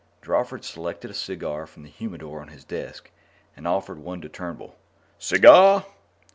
Drawford selected a cigar from the humidor on his desk and offered one to Turnbull. "Cigar?